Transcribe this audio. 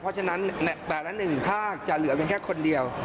เพราะฉะนั้น๘และ๑ภาคจะเหลือไปแค่คนเดียว